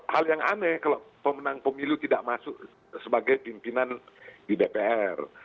hal yang aneh kalau pemenang pemilu tidak masuk sebagai pimpinan di dpr